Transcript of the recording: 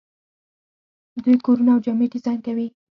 دوی کورونه او جامې ډیزاین کوي.